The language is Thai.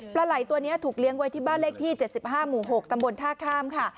ไหล่ตัวนี้ถูกเลี้ยงไว้ที่บ้านเลขที่๗๕หมู่๖ตำบลท่าข้ามค่ะ